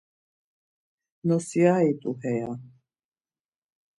Nosiari t̆u heya.